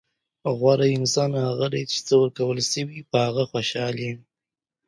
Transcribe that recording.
غوره انسان هغه دئ، چي څه ورکول سوي يي؛ په هغه خوشحال يي.